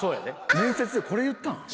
面接でこれ言ったん？